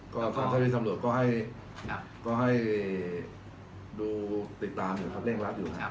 คุณที่คุณคำหนูก็ให้ดูติดตามแรงรัดอยู่